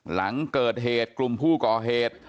หลังเกิดเหตุกลุ่มผู้ก่อเหตุ